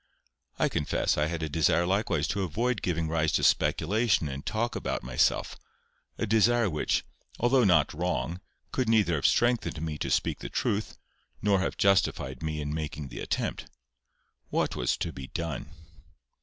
I confess I had a desire likewise to avoid giving rise to speculation and talk about myself, a desire which, although not wrong, could neither have strengthened me to speak the truth, nor have justified me in making the attempt.—What was to be done?